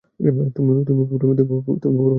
তুমিও পড়বে মতি, তুমিও পড়বে।